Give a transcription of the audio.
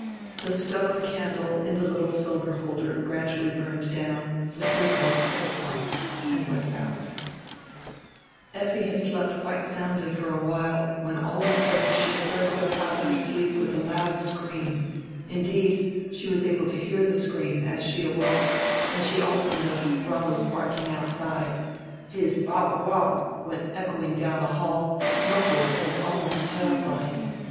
The stub of candle in the little silver holder gradually burned down, flickered once or twice, and went out Effi had slept quite soundly for a while, when all of a sudden she started up out of her sleep with a loud scream, indeed, she was able to hear tire screanr, as she awoke, and she also noticed Rollo' s barking outside. His "bow wow" went echoing down tire hall, muffled and alnrost terrifying.